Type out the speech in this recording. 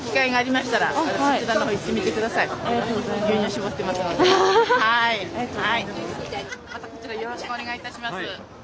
またこちらよろしくお願いいたします。